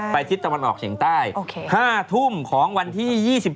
ทิศตะวันออกเฉียงใต้๕ทุ่มของวันที่๒๔